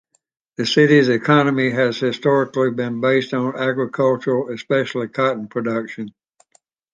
The city's economy has historically been based on agricultural, especially cotton production.